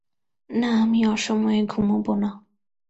না, আমি অসময়ে ঘুমুব না।